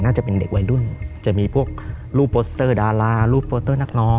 จะเป็นเด็กวัยรุ่นจะมีพวกรูปโปสเตอร์ดารารูปโปเตอร์นักร้อง